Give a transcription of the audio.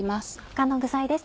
他の具材です